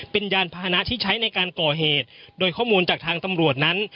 เป็นยานพาหนะที่ใช้ในการก่อเหตุโดยข้อมูลจากทางตำรวจนั้น